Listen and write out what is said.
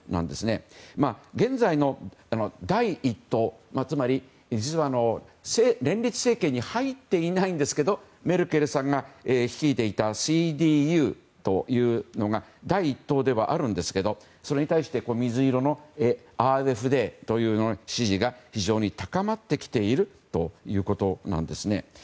現在の第１党つまり連立政権に入っていないんですけどメルケルさんが率いていたＣＤＵというのが第１党ではあるんですがそれに対して水色のＡｆＤの支持が非常に高まってきているということなんですね。